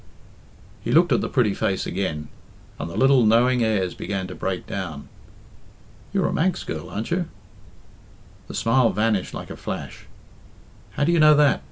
He looked at the pretty face again, and the little knowing airs began to break down. "You're a Manx girl, aren't you?" The smile vanished like a flash. "How do you know that?